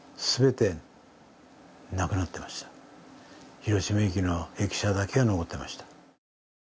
広島駅の駅舎だけ残ってました。